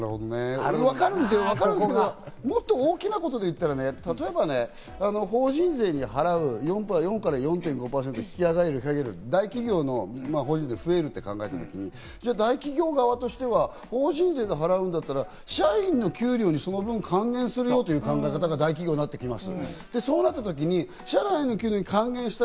わかるんですよ、わかるんですけど、もっと大きなことで言ったらね、法人税に払う４から４．５％引き上げる大企業の法人税が増えると考えたとき、大企業側としては法人税を払うんだったら、社員の給料にその分、還元するよという考え方が、大企業になってきます。